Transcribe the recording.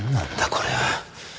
これは。